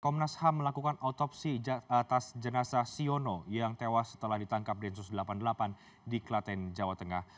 komnas ham melakukan autopsi atas jenazah siono yang tewas setelah ditangkap densus delapan puluh delapan di klaten jawa tengah